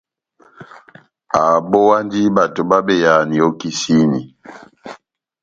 Abówandi bato babeyahani ó kisini.